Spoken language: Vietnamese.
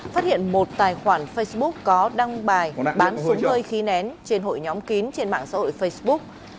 phát hiện một tài khoản facebook có đăng bài bán súng hơi khí nén trên hội nhóm kín trên mạng xã hội facebook